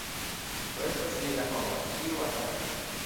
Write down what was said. Do estas li la homo, kiu atakis.